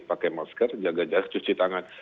pakai masker jaga jarak cuci tangan